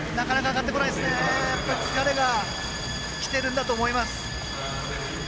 やっぱり疲れがきてるんだと思います。